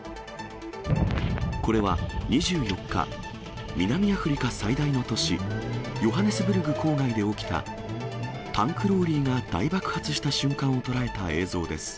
これは２４日、南アフリカ最大の都市、ヨハネスブルク郊外で起きた、タンクローリーが大爆発した瞬間